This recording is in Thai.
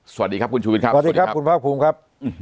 สวัสดีครับคุณชูวิทย์ครับสวัสดีครับคุณภาคภูมิครับ